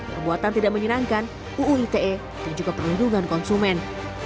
perbuatan tidak menyenangkan uu ite dan juga perlindungan konsumen